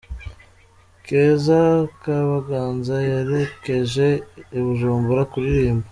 Keza Kabaganza yerekeje i Bujumbura kuririmba